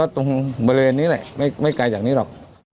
ตรงบริเวณนี้แหละไม่ไกลจากนี้หรอก